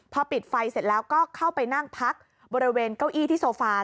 พอปิดไฟเสร็จแล้วก็เข้าไปนั่งพักบริเวณเก้าอี้ที่โซฟา